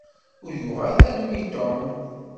Ur yuɣ ara tanumi Tom.